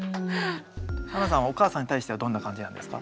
あんなさんはお母さんに対してはどんな感じなんですか？